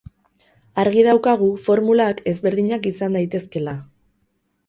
Argi daukagu formulak ezberdinak izan daitezkela.